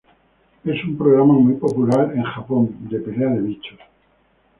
Es un programa muy popular en Japón de pelea de bichos.